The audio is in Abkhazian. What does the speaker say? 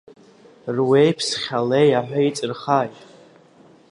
Руеиԥсхь алеиаҳәеи иҵырхааит!